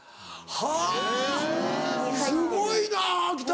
はぁすごいな秋田！